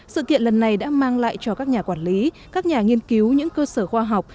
sự kiện lần này đã mang lại cho các nhà quản lý các nhà nghiên cứu những cơ sở khoa học